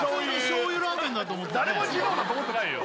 誰も二郎なんて思ってないよ